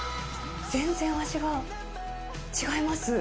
全然味が違います。